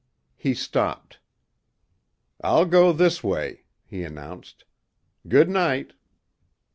He stopped. "I'll go this way," he announced. "Good night."